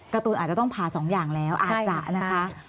การ์ตูนอาจจะต้องผ่า๒อย่างแล้วอาจจะนะคะ